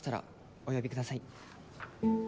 お呼びください。